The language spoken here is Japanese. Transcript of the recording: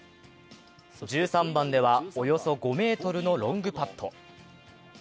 １３番ではおよそ５ｍのロングパット。